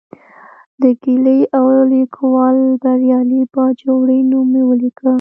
د ګیلې او لیکوال بریالي باجوړي نوم مې ولیکه.